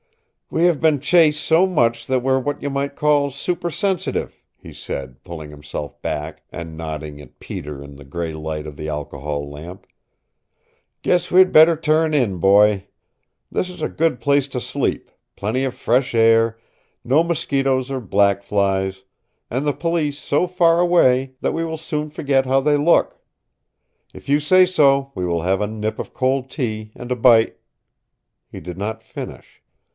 "We have been chased so much that we're what you might call super sensitive," he said, pulling himself back and nodding at Peter in the gray light of the alcohol lamp. "Guess we'd better turn in, boy. This is a good place to sleep plenty of fresh air, no mosquitoes or black flies, and the police so far away that we will soon forget how they look. If you say so we will have a nip of cold tea and a bite " He did not finish.